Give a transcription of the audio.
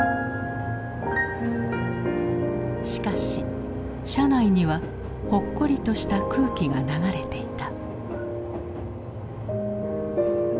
しかし車内にはホッコリとした空気が流れていた。